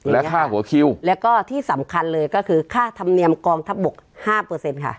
และค่าหัวคิวแล้วก็ที่สำคัญเลยก็คือค่าธรรมเนียมกองทัพบกห้าเปอร์เซ็นต์ค่ะ